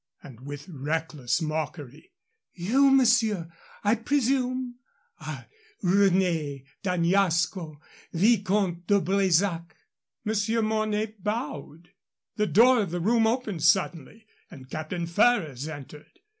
And with reckless mockery, "You, monsieur, I presume, are René d'Añasco, Vicomte de Bresac?" Monsieur Mornay bowed. The door of the room opened suddenly and Captain Ferrers entered.